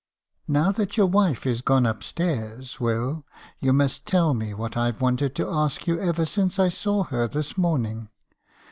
"Now that your wife is gone upstairs, Will, you must tell me what I've wanted to ask you ever since I. saw her this morning.